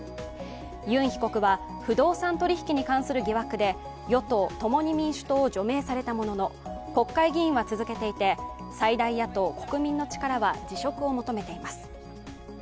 ユン被告は不動産取引きに関する疑惑で与党・共に民主党を除名されたものの、国会議員は続けていて、最大野党国民の力は辞職を求めています。